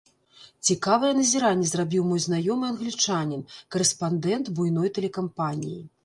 Цікавае назіранне зрабіў мой знаёмы англічанін, карэспандэнт буйной тэлекампаніі.